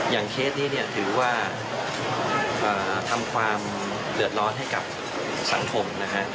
อย่างเคสนี้ถือว่าทำความเหลือดร้อนให้กับสังคม